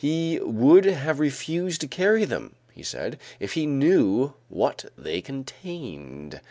He would have refused to carry them, he said, if he knew what they contained.